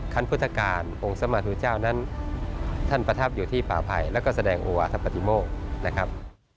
พุทธการองค์สมาธุเจ้านั้นท่านประทับอยู่ที่ป่าภัยแล้วก็แสดงโอวาธปฏิโมกนะครับ